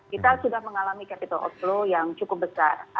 kita sudah mengalami capital outflow yang cukup besar